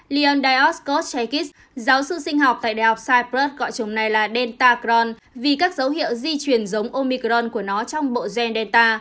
leon dios koschekis giáo sư sinh học tại đại học cyprus gọi chồng này là delta crohn vì các dấu hiệu di chuyển giống omicron của nó trong bộ gen delta